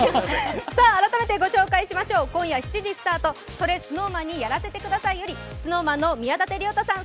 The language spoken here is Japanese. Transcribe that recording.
改めてご紹介しましょう、今夜７時スタート、「それＳｎｏｗＭａｎにやらせて下さい」よりＳｎｏｗＭａｎの宮舘涼太さん